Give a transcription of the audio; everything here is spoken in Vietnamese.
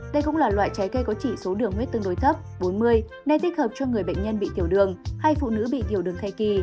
đây cũng là loại trái cây có chỉ số đường huyết tương đối thấp bốn mươi nên thích hợp cho người bệnh nhân bị tiểu đường hay phụ nữ bị thiểu đường thai kỳ